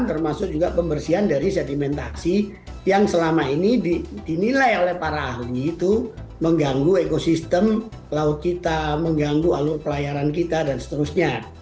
termasuk juga pembersihan dari sedimentasi yang selama ini dinilai oleh para ahli itu mengganggu ekosistem laut kita mengganggu alur pelayaran kita dan seterusnya